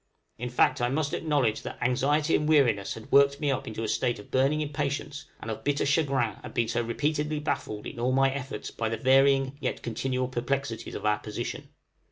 In fact, I must acknowledge that anxiety and weariness had worked me up into a state of burning impatience and of bitter chagrin at being so repeatedly baffled in all my efforts by the varying yet continual perplexities of our position.